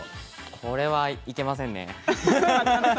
これはいけませんね。